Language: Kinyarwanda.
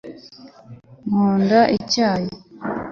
nkunda icyayi